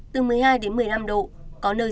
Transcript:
từ một mươi hai đến một mươi năm độ có nơi